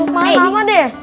kenapa lama deh